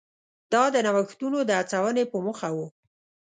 دا د نوښتونو د هڅونې په موخه و.